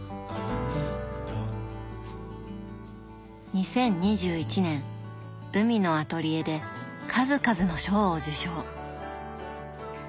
２０２１年「海のアトリエ」で数々の賞を受賞。